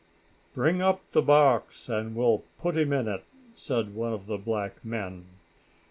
"Bring up the box, and we'll put him in it," said one of the black men.